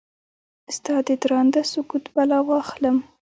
ستا ددرانده سکوت بلا واخلم؟